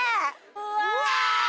うわ！